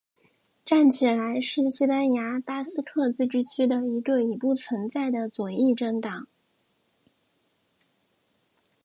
站起来是西班牙巴斯克自治区的一个已不存在的左翼政党。